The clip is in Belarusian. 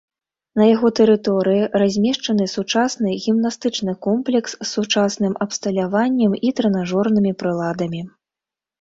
На яго тэрыторыі размешчаны сучасны гімнастычны комплекс з сучасным абсталяваннем і трэнажорнымі прыладамі.